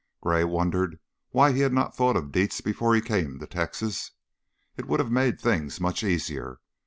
Gray wondered why he had not thought of Dietz before he came to Texas; it would have made things much easier.